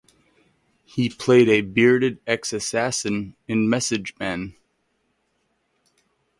He played a bearded ex-assassin in "Message Man".